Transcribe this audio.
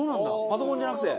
パソコンじゃなくて？